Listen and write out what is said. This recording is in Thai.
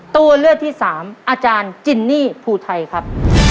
ตัวเลือกที่สามอาจารย์จินนี่ภูไทยครับ